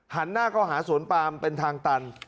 หันหน้าเข้าหาสวนปามเป็นทางตัน